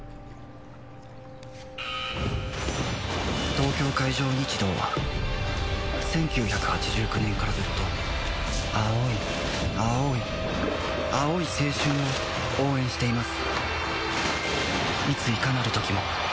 東京海上日動は１９８９年からずっと青い青い青い青春を応援しています